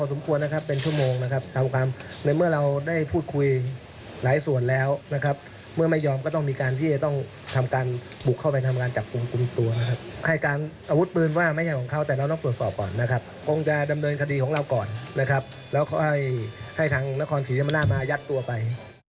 ทั้งนครศรีชมนามายัดตัวไป